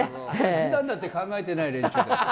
ふだんだって考えてない連中。